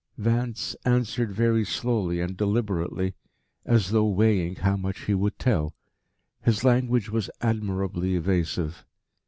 Vance answered very slowly and deliberately, as though weighing how much he would tell. His language was admirably evasive.